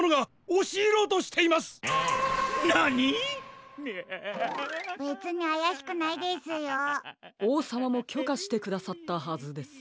おうさまもきょかしてくださったはずです。